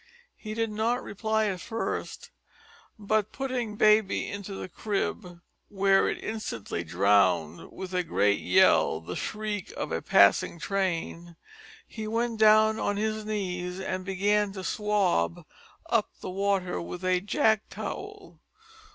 He did not reply at first, but putting baby into the crib where it instantly drowned with a great yell the shriek of a passing train he went down on his knees and began to "swab" up the water with a jack towel.